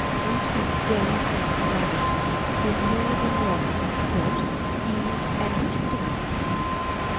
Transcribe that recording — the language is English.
What is gained in formality, is more than lost in force, ease, and perspicuity.